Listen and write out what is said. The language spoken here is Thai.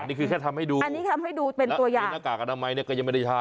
นี่คือแค่ทำให้ดูอันนี้ทำให้ดูเป็นตัวอย่างคือหน้ากากอนามัยเนี่ยก็ยังไม่ได้ใช้